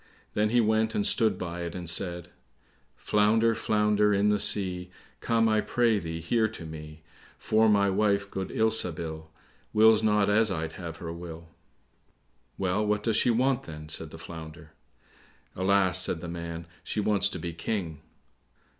Then he went and stood by it, and said, "Flounder, flounder in the sea, Come, I pray thee, here to me; For my wife, good Ilsabil, Wills not as I'd have her will" "Well, what does she want, then?" said the Flounder. "Alas," said the man, "she wants to be King."